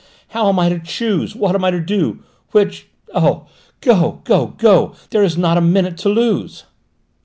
How am I to choose! What am I to do! Which ? Oh, go go go! There is not a minute to lose!"